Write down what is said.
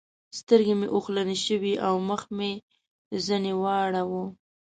سترګې مې اوښلنې شوې او مخ مې ځنې واړاوو.